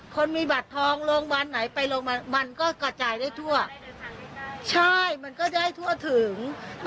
คนมีบัตรทองโรงพยาบาลไหนไปโรงพยาบาลมันก็กระจายได้ทั่วใช่มันก็ได้ทั่วถึง